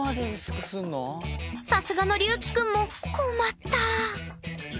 さすがのりゅうきくんも困った！